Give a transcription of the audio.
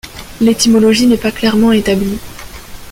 L'étymologie n'est pas clairement établie.